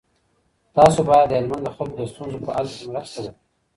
تاسو باید د هلمند د خلکو د ستونزو په حل کي مرسته وکړئ.